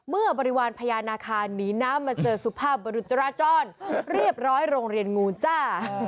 บริวารพญานาคารหนีน้ำมาเจอสุภาพบรุษจราจรเรียบร้อยโรงเรียนงูจ้า